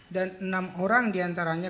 dan enam orang diantaranya